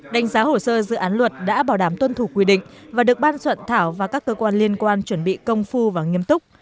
đánh giá hồ sơ dự án luật đã bảo đảm tuân thủ quy định và được ban soạn thảo và các cơ quan liên quan chuẩn bị công phu và nghiêm túc